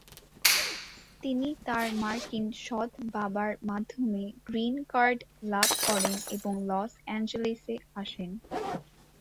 তিনি তার মার্কিন সৎ বাবার মাধ্যমে গ্রীন কার্ড লাভ করেন এবং লস এঞ্জেলেসে আসেন।